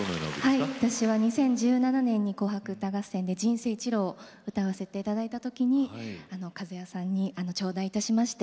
私は２０１７年に「紅白歌合戦」で「人生一路」を歌わせていただいた時に和也さんに頂戴いたしまして